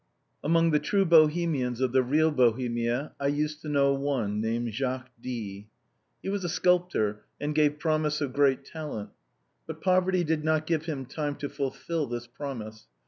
Amongst the true Bohemians of the real Bohemia I used to know one, named Jacques D. He was a sculptor, and gave promise of great talent. But poverty did not give him time to fulfil this promise.